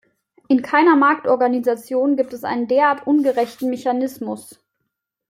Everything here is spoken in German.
In keiner Marktorganisation gibt es einen derart ungerechten Mechanismus.